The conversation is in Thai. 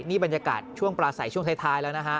นี่บรรยากาศช่วงปลาใสช่วงท้ายแล้วนะฮะ